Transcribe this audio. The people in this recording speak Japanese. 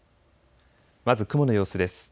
まず雲の様子です。